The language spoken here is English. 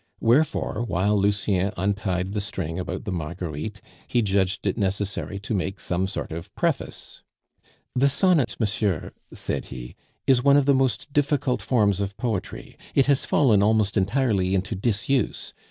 Wherefore, while Lucien untied the string about the Marguerites, he judged it necessary to make some sort of preface. "The sonnet, monsieur," said he, "is one of the most difficult forms of poetry. It has fallen almost entirely into disuse.